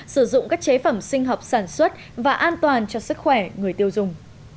sử dụng các chế phẩm sinh học sản xuất và an toàn cho sức khỏe người tiêu dùng